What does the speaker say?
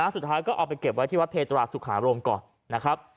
สุดท้ายก็เอาไปเก็บไว้ที่วัดเพตราสุขาโรมก่อนนะครับ